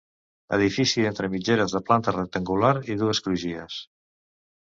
Edifici entre mitgeres de planta rectangular i dues crugies.